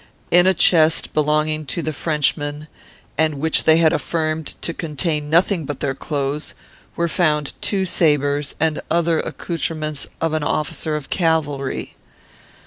In a chest, belonging to the Frenchmen, and which they had affirmed to contain nothing but their clothes, were found two sabres, and other accoutrements of an officer of cavalry.